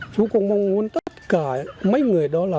chú cũng mong muốn tất cả mấy người đó là